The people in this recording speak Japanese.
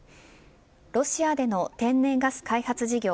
ロシアでの天然ガス開発事業